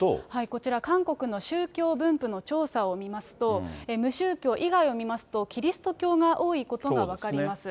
こちら、韓国の宗教分布の調査を見ますと、無宗教以外を見ますと、キリスト教が多いことが分かります。